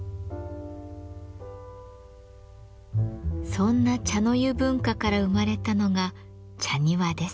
そんな茶の湯文化から生まれたのが「茶庭」です。